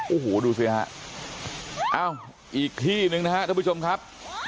โอ้โหดูสิฮะเอ้าอีกที่หนึ่งนะครับท่านผู้ชมครับ